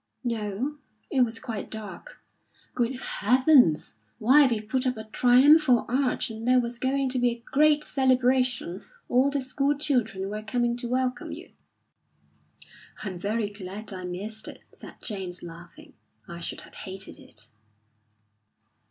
"No, it was quite dark." "Good heavens! Why, we've put up a triumphal arch, and there was going to be a great celebration. All the school children were coming to welcome you." "I'm very glad I missed it," said James, laughing. "I should have hated it."